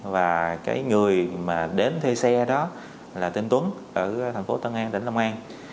và cái người mà đến thuê xe đó là tên tuấn ở thành phố tân an tỉnh long an